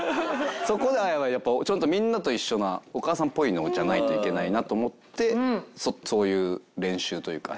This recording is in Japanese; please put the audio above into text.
そこでやっぱちゃんとみんなと一緒なお母さんっぽいのじゃないといけないなと思ってそういう練習というか。